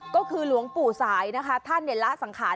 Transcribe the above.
ก็คือหลวงปู่สายนะคะท่านละสังขาร